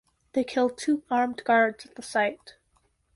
They killed two armed guards at the site.